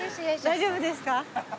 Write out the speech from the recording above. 大丈夫ですか？